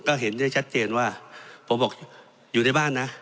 ก็เห็นได้ชัดเจนว่าผมบอกอยู่ในบ้านนะ